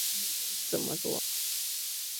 怎么作？